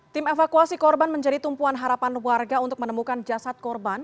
tim evakuasi korban menjadi tumpuan harapan warga untuk menemukan jasad korban